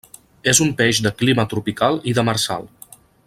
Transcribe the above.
És un peix de clima tropical i demersal.